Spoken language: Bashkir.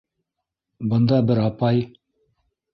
Бында бер апай.